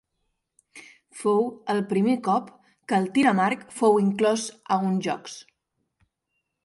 Fou el primer cop que el tir amb arc fou inclòs a uns Jocs.